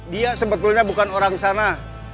dia sebetulnya bukan orang sana